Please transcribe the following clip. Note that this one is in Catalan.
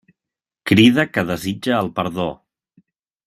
Crida que desitja el perdó.